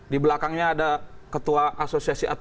di belakangnya ada ketua asosiasi